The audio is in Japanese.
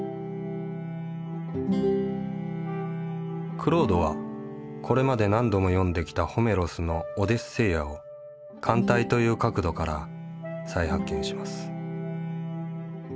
「クロードはこれまで何度も読んできたホメロスの『オデュッセイア』を『歓待』という角度から再発見します」。